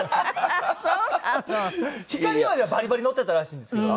ひかりまではバリバリ乗ってたらしいんですけど。